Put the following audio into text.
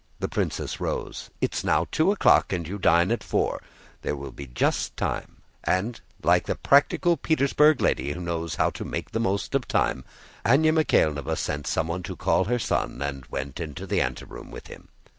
The princess rose. "It's now two o'clock and you dine at four. There will just be time." And like a practical Petersburg lady who knows how to make the most of time, Anna Mikháylovna sent someone to call her son, and went into the anteroom with him.